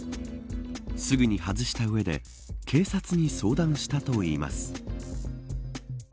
すぐに外した上で警察に相談したといいます。